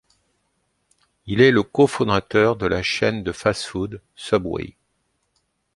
Il est le co-fondateur de la chaîne de fast-food Subway.